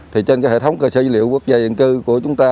thì trên hệ thống cơ sở dữ liệu quốc gia dân cư của chúng ta